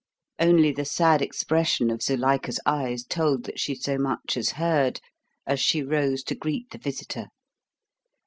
Only the sad expression of Zuilika's eyes told that she so much as heard, as she rose to greet the visitor.